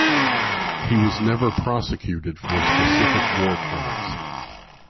He was never prosecuted for specific war crimes.